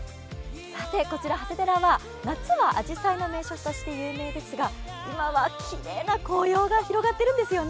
こちら長谷寺は夏はあじさいの名所として有名ですが今はきれいな紅葉が広がってるんですよね。